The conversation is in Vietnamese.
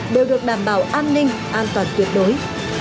đều được đảm bảo an ninh an toàn tuyệt đối